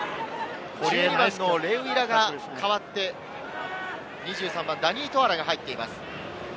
レウイラが代わって２３番ダニー・トアラが入っています。